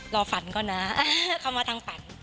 ฝันก่อนนะเข้ามาทางฝัน